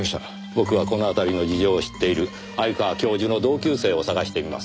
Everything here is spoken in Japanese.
僕はこの辺りの事情を知っている鮎川教授の同級生を探してみます。